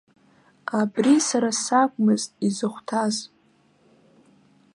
Абри сара сакәмызт изыхәҭаз.